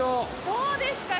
どうですか？